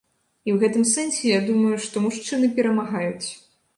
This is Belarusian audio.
І ў гэтым сэнсе, я думаю, што мужчыны перамагаюць.